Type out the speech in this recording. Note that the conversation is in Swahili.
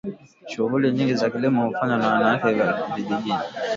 shughuli nyingi za kilimo hufanywa na wanawake wa vijijini